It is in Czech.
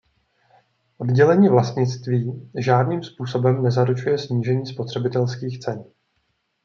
Oddělení vlastnictví žádným způsobem nezaručuje snížení spotřebitelských cen.